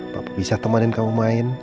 papa bisa temenin kamu main